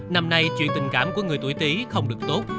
năm nay chuyện tình cảm của người tuổi tí không được tốt